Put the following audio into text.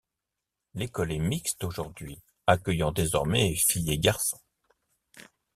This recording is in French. L'école est mixte aujourd'hui, accueillant désormais filles et garçons.